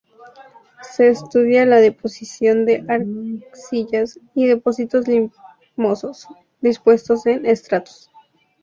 Se estudia la deposición de arcillas y depósitos limosos, dispuestos en estratos.